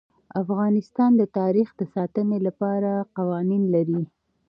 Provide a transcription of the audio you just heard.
افغانستان د تاریخ د ساتنې لپاره قوانین لري.